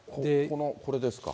これですか。